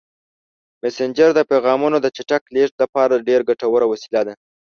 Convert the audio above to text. مسېنجر د پیغامونو د چټک لیږد لپاره ډېره ګټوره وسیله ده.